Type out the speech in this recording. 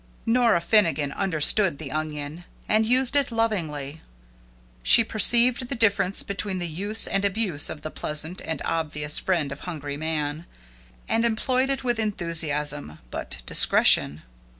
Nora Finnegan understood the onion, and used it lovingly. She perceived the difference between the use and abuse of this pleasant and obvious friend of hungry man, and employed it with enthusiasm, but discretion.